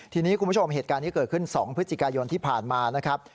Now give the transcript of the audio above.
ทีนี้คุณผู้ชมเหตุการณ์นี้เกิดขึ้น๒พฤศจิกายนที่ผ่านมานะครับ